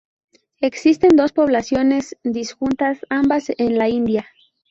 Existen dos poblaciones disjuntas ambas en la India.